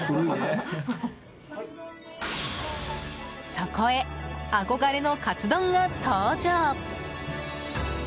そこへ、憧れのカツ丼が登場！